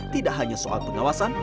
tidak hanya soal pengawasan